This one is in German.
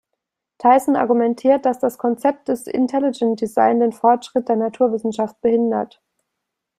Tyson argumentiert, dass das Konzept des Intelligent Design den Fortschritt der Naturwissenschaft behindert.